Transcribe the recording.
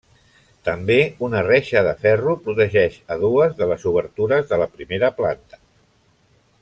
També una reixa de ferro protegeix a dues de les obertures de la primera planta.